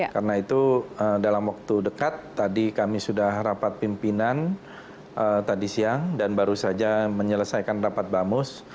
karena itu dalam waktu dekat tadi kami sudah rapat pimpinan tadi siang dan baru saja menyelesaikan rapat bamus